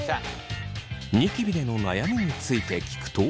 ニキビでの悩みについて聞くと。